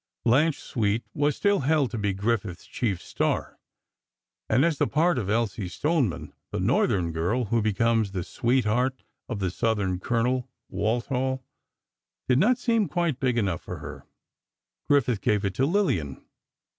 Blanche Sweet was still held to be Griffith's chief star and as the part of Elsie Stoneman, the Northern girl who becomes the sweetheart of the Southern Colonel (Walthall), did not seem quite big enough for her, Griffith gave it to Lillian.